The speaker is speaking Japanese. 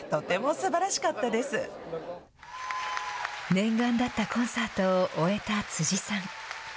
念願だったコンサートを終えた辻さん。